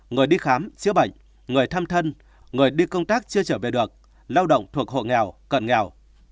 người đi khám chữa bệnh người thăm thân người đi công tác chưa trở về được lao động thuộc hộ nghèo cận nghèo